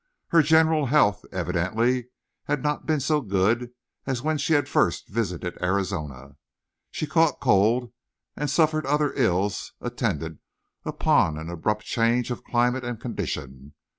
Her general health, evidently, had not been so good as when she had first visited Arizona. She caught cold and suffered other ills attendant upon an abrupt change of climate and condition.